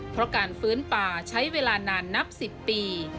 เพราะการฟื้นป่าใช้เวลานานนับ๑๐ปี